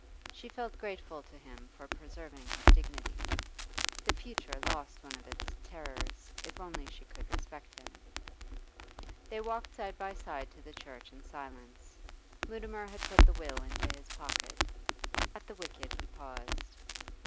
She felt grateful to him for preserving his dignity. The future lost one of its terrors if only she could respect him. They walked side by side to the church in silence: Mutimer had put the will into his pocket. At the wicket he paused.